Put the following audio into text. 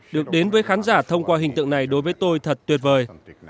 được đến với khán giả thông qua hình tượng này đối với tôi thật tuyệt vời